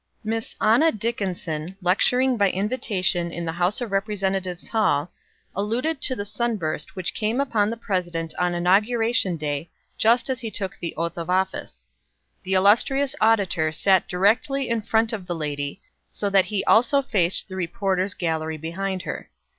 Miss Anna Dickinson, lecturing by invitation in the House of Representatives' Hall, alluded to the sunburst which came upon the President on inauguration day, just as he took the oath of office. The illustrious auditor sat directly in front of the lady, so that he also faced the reporters' gallery behind her.